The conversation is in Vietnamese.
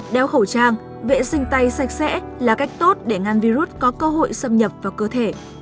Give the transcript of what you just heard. đeo khẩu trang vệ sinh tay sạch sẽ là cách tốt để ngăn virus có cơ hội xâm nhập vào cơ thể